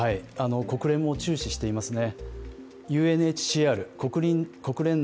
国連も注視していますね。